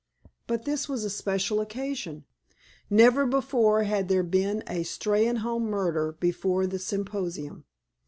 But this was a special occasion. Never before had there been a Steynholme murder before the symposium.